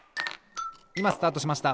いまスタートしました！